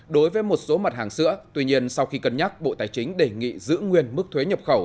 đối với một số mặt hàng sữa tuy nhiên sau khi cân nhắc bộ tài chính đề nghị giữ nguyên mức thuế nhập khẩu